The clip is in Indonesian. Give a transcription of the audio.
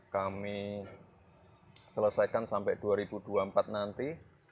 kami selesaikan sampai dua ribu dua puluh empat nanti